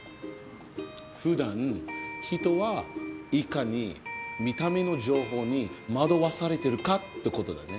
普段人はいかに見た目の情報に惑わされてるかってことだよね。